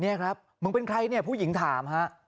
นี่ครับมึงเป็นใครพูดถามครับ